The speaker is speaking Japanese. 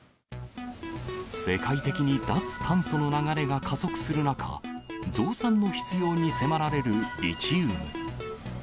世界的に脱炭素の流れが加速する中、増産の必要に迫られるリチウム。